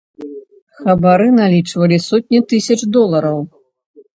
Хабары налічвалі сотні тысяч долараў.